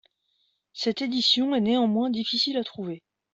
Cette édition est néanmoins difficile à trouver.